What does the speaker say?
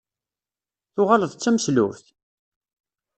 Tuɣaleḍ d tameslubt?